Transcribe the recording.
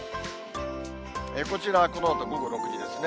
こちら、このあと午後６時ですね。